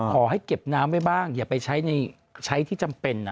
ขอให้เก็บน้ำไว้บ้างอย่าไปใช้ที่จำเป็น